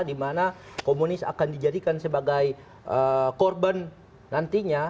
di mana komunis akan dijadikan sebagai korban nantinya